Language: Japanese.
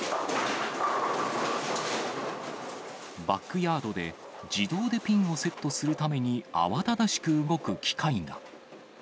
バックヤードで自動でピンをセットするために慌ただしく動く機械が。